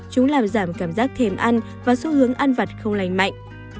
chúng làm giảm cảm giác thềm ăn và xu hướng ăn vặt không lành mạnh